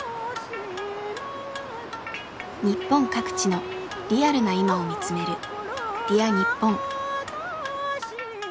日本各地のリアルな今を見つめる「Ｄｅａｒにっぽん」。